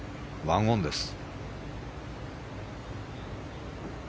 １オンです。